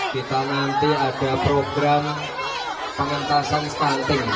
kita nanti ada program pengentasan stunting